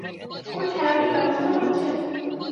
ওর থেরাপির ব্যবস্থা করেছেন?